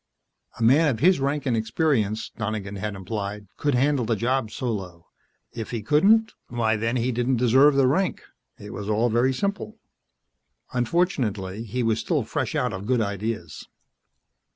A man of his rank and experience, Donegan had implied, could handle the job solo. If he couldn't why, then, he didn't deserve the rank. It was all very simple. Unfortunately, he was still fresh out of good ideas.